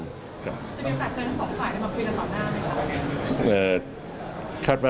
จะมีบรรยากาศเชิญทั้งสองฝ่ายได้มาพูดเรื่องข้อหน้าไหมครับ